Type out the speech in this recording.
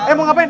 eh mau ngapain